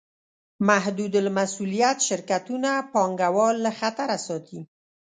محدودالمسوولیت شرکتونه پانګهوال له خطره ساتي.